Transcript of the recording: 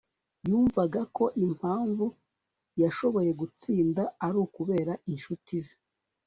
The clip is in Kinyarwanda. Yumvaga ko impamvu yashoboye gutsinda ari ukubera inshuti ze